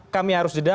kami harus jeda